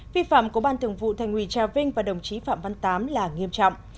vi phạm của ban thường vụ thành ủy trà vinh và đồng chí phạm văn tám là nghiêm trọng